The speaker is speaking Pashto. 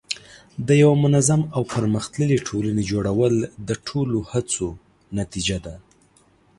د یوه منظم او پرمختللي ټولنې جوړول د ټولو هڅو نتیجه ده.